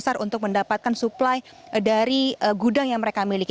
lebih besar untuk mendapatkan suplai dari gudang yang mereka miliki